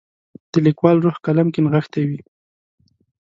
د لیکوال روح قلم کې نغښتی وي.